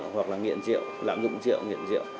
hoặc là nghiện rượu lãng dụng rượu nghiện rượu